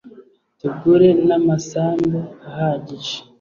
tugure n’amasambu ahagije